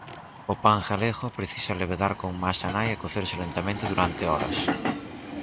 O pan galego precisa levedar con masa nai e cocerse lentamente durante horas.